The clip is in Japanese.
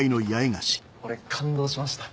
俺感動しました。